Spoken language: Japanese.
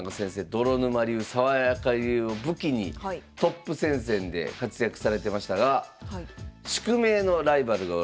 泥沼流爽やか流を武器にトップ戦線で活躍されてましたが宿命のライバルがおられました。